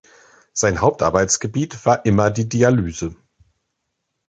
Sein Hauptarbeitsgebiet war immer die Dialyse.